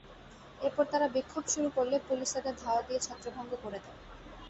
এরপর তাঁরা বিক্ষোভ শুরু করলে পুলিশ তাঁদের ধাওয়া দিয়ে ছত্রভঙ্গ করে দেয়।